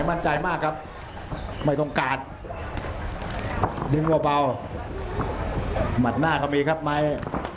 ไหมมันใจมากครับไม่ต้องการดึงเว้าเบาหมัดหน้าเขามีครับไหม